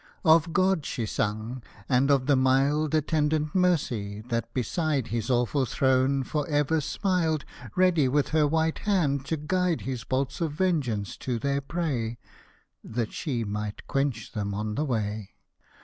Of God she sung, and of the mild Attendant Mercy, that beside His awful throne for ever smiled, Ready, with her white hand, to guide Hosted by Google i6o THE LOVES OF THE ANGELS His bolts of vengeance to their prey — That she might quench them on the way